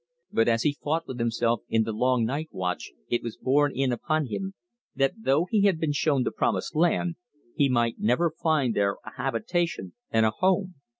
But as he fought with himself in the long night watch it was borne in upon him that though he had been shown the Promised Land, he might never find there a habitation and a home.